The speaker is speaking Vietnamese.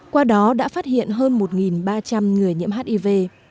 qua đó đã phát hiện hơn một ba trăm linh người nhiễm hiv